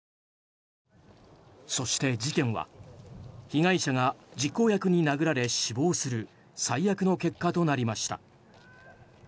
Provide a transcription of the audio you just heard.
そして、事件は被害者が実行役に殴られ死亡する最悪の結果となりました。